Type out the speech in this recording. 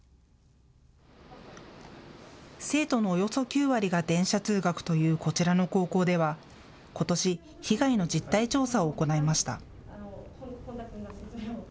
生徒のおよそ９割が電車通学というこちらの高校ではことし、被害の実態調査を行いました。